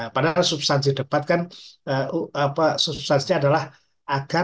padahal substansi debat kan substansinya adalah agar